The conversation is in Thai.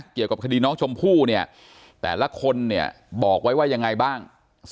ครับคดีน้องชมผู้เนี่ยแปลละคนนี่บอกไว้ว่ายังไงบ้าง